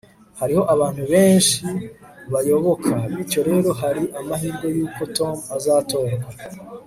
hariho abantu benshi bayoboka, bityo rero hari amahirwe yuko tom azatorwa